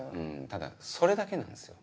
ただそれだけなんですよ。